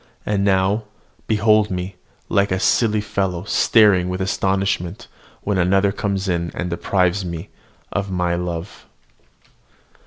And now, behold me like a silly fellow, staring with astonishment when another comes in, and deprives me of my love.